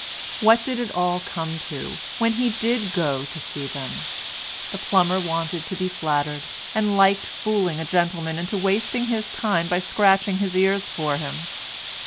What did it all come to, when he did go to see them? The plumber wanted to be flattered, and liked fooling a gentleman into wasting his time by scratching his ears for him.